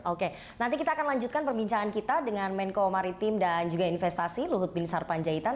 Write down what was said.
oke nanti kita akan lanjutkan perbincangan kita dengan menko maritim dan juga investasi luhut bin sarpanjaitan